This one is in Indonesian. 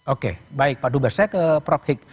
oke baik pak dubes saya ke prof hik